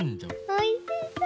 おいしそう！